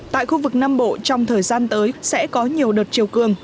tại khu vực nam bộ trong thời gian tới sẽ có nhiều đợt chiều cường